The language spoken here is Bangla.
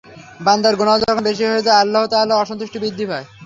বান্দার গুনাহ যখন বেশি হয়ে যায়, আল্লাহ তাআলার অসন্তুষ্টি বৃদ্ধি পায়।